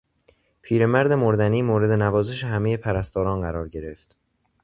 پیرمرد مردنی مورد نوازش همهی پرستاران قرار گرفت.